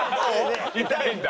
痛いんだ。